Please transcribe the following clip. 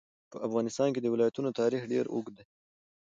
په افغانستان کې د ولایتونو تاریخ ډېر اوږد دی.